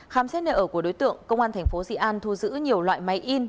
khám xét nợ của đối tượng công an tp sĩ an thu giữ nhiều loại máy in